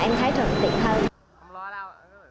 em thấy rất là tốt